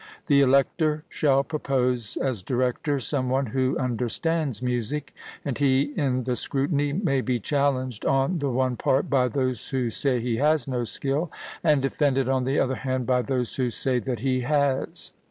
The elector shall propose as director some one who understands music, and he in the scrutiny may be challenged on the one part by those who say he has no skill, and defended on the other hand by those who say that he has.